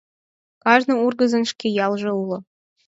Кажне ургызын шке ялже уло.